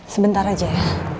sebentar aja ya